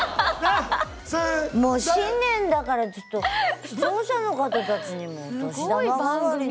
もう新年だからちょっと視聴者の方たちにもお年玉代わりに。